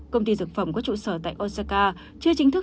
công ty dược phẩm có trụ sở tại osaka chưa chính thức